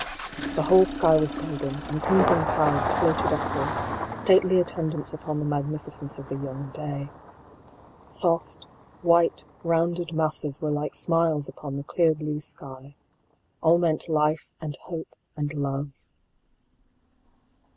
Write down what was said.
The whole sky was golden, and crimson clouds floated upward, stately attendants upon the magnificence of the young day. Soft, white rounded masses were like smiles upon the clear blue sky : all meant life and hope and love.